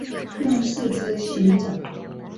用四肢行走。